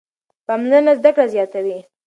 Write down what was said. پاملرنه زده کړه زیاتوي.